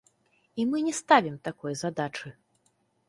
І мы не ставім такой задачы.